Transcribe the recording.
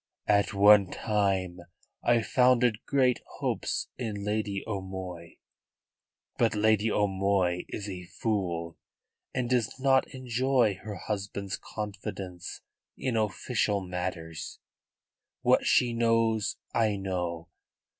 "At one time I founded great hopes in Lady O'Moy. But Lady O'Moy is a fool, and does not enjoy her husband's confidence in official matters. What she knows I know.